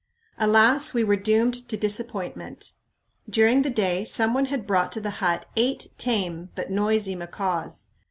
Alas, we were doomed to disappointment. During the day some one had brought to the hut eight tame but noisy macaws.